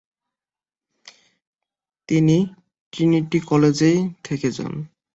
তিনি ট্রিনিটি কলেজেই থেকে যান।